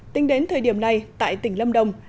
tính đến thời điểm này tại tỉnh lâm đồng